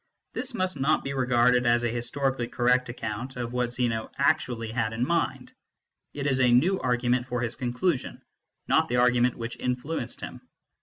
] 1 This must not be regarded as a historically correct account of what Zeno actually had in mind. It is a new argument for his con clusion, not the argument which influenced him.